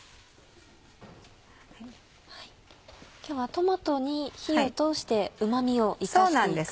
今日はトマトに火を通してうま味を生かして行く。